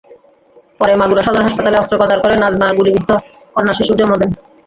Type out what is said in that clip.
পরে মাগুরা সদর হাসপাতালে অস্ত্রোপচার করে নাজমা গুলিবিদ্ধ কন্যাশিশুর জন্ম দেন।